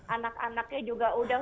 anak anaknya juga udah